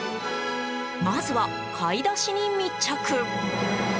まずは買い出しに密着。